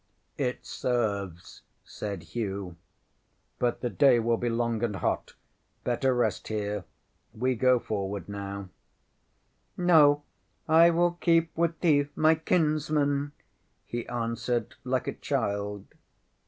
ŌĆśŌĆ£It serves, ŌĆØ said Hugh. ŌĆ£But the day will be long and hot. Better rest here. We go forward now. ŌĆØ ŌĆśŌĆ£No, I will keep with thee, my kinsman, ŌĆØ he answered like a child.